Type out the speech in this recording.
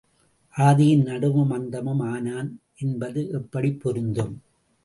ஆதியும் நடுவும் அந்தமும் ஆனான் என்பது எப்படிப் பொருந்தும்?